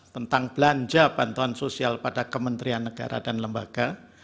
tentang belanja bantuan sosial pada kementerian negara dan lembaga